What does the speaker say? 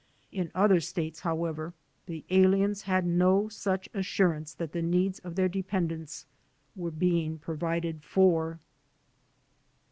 In other states, however, the aliens had no such assurance that the needs of their dependents were being provided for.